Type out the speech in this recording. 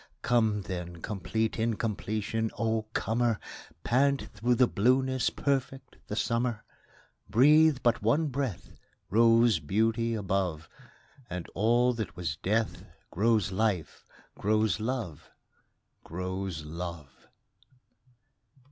Come then, complete incompletion, O comer, Pant through the blueness, perfect the summer! Breathe but one breath Rose beauty above, And all that was death Grows life, grows love, Grows love!